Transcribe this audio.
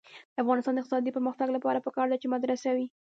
د افغانستان د اقتصادي پرمختګ لپاره پکار ده چې مدرسه وي.